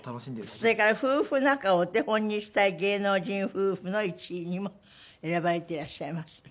それから夫婦仲をお手本にしたい芸能人夫婦の１位にも選ばれていらっしゃいます。